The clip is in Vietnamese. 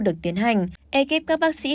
được tiến hành ekip các bác sĩ